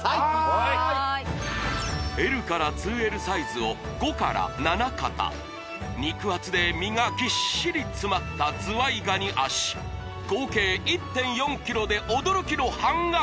はいＬから２Ｌサイズを５から７肩肉厚で身がぎっしり詰まったズワイガニ脚合計１．４ｋｇで驚きの半額！